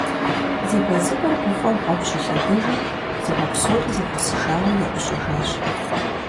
Дзыгъуэ цӀыкӀур гуфӀэу гъуэм щилъэдэжым, дзыгъуэ псори зэхуэсыжауэ яӀущӀэжащ.